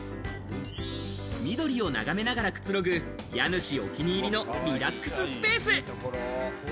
緑を眺めながらくつろぐ家主お気に入りのリラックススペース。